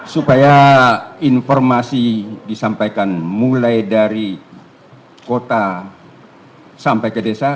supaya informasi disampaikan mulai dari kota sampai ke desa